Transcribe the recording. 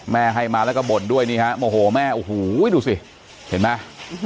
ให้มาแล้วก็บ่นด้วยนี่ฮะโมโหแม่โอ้โหดูสิเห็นไหม